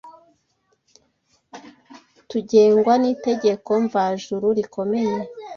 tugengwa n’itegeko mva juru rikomeye